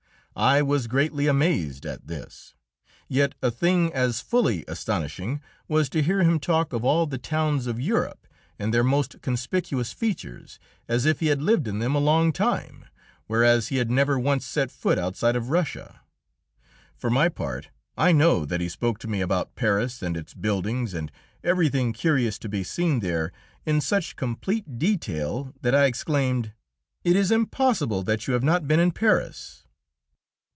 I was greatly amazed at this, yet a thing as fully astonishing was to hear him talk of all the towns of Europe and their most conspicuous features as if he had lived in them a long time, whereas he had never once set foot outside of Russia. For my part, I know that he spoke to me about Paris and its buildings, and everything curious to be seen there, in such complete detail that I exclaimed, "It is impossible that you have not been in Paris!"